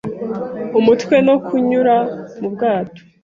umutwe no kunyura mu bwato.